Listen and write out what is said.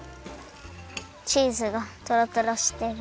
チーズがトロトロしてる！